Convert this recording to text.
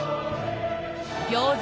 餃子